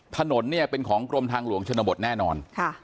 ถนนเนี่ยเป็นของกรมทางหลวงชนบทแน่นอน